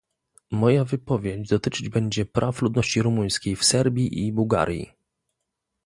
Moja wypowiedź dotyczyć będzie praw ludności rumuńskiej w Serbii i Bułgarii